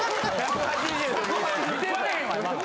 見てられへんわ今の。